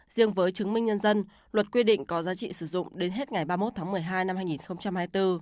riêng với chứng minh nhân dân luật quy định có giá trị sử dụng đến hết ngày ba mươi một tháng một mươi hai năm hai nghìn hai mươi bốn